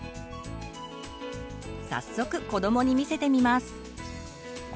早速子どもに見せてみます。